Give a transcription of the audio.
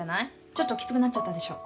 ちょっときつくなっちゃったでしょ。